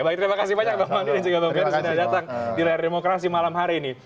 baik terima kasih banyak bang fadli dan juga bang ferry sudah datang di layar demokrasi malam hari ini